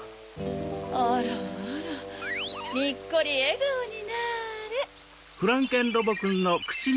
あらあらにっこりえがおになれ。